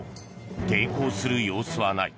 抵抗する様子はない。